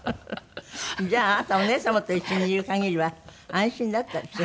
じゃああなたお姉様と一緒にいる限りは安心だったでしょ？